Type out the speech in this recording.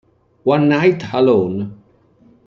One Nite Alone...